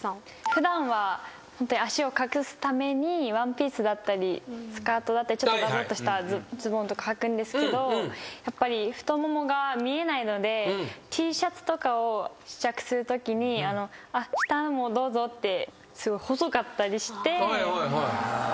普段は足を隠すためにワンピースだったりスカートだったりちょっとだぼっとしたズボンとかはくんですけどやっぱり太ももが見えないのでＴシャツとかを試着するときに下もどうぞってすごい細かったりして。